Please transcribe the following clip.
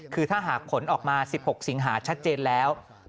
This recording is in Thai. คือถ้าหากผลออกมา๑๖สิงหาชัดเจนแล้ว